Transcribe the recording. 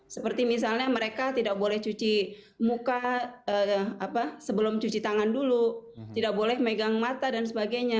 seperti misalnya mereka tidak boleh cuci muka sebelum cuci tangan dulu tidak boleh megang mata dan sebagainya